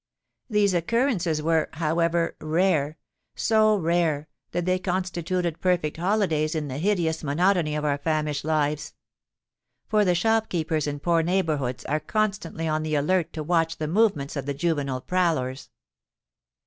These occurrences were, however, rare—so rare, that they constituted perfect holidays in the hideous monotony of our famished lives;—for the shopkeepers in poor neighbourhoods are constantly on the alert to watch the movements of the juvenile prowlers.